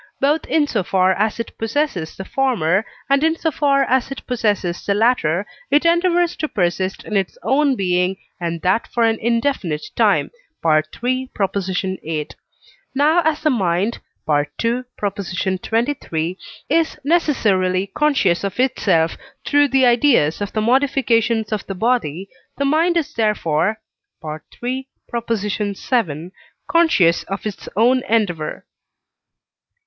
both in so far as it possesses the former, and in so far as it possesses the latter, it endeavours to persist in its own being, and that for an indefinite time (III. viii.). Now as the mind (II. xxiii.) is necessarily conscious of itself through the ideas of the modifications of the body, the mind is therefore (III. vii.) conscious of its own endeavour.